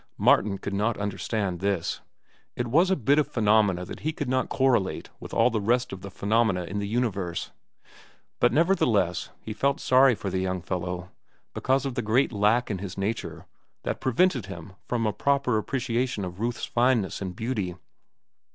Martin could not understand this. It was a bit of phenomena that he could not correlate with all the rest of the phenomena in the universe. But nevertheless he felt sorry for the young fellow because of the great lack in his nature that prevented him from a proper appreciation of Ruth's fineness and beauty.